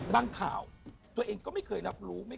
ข่าวตัวเองก็ไม่เคยรับรู้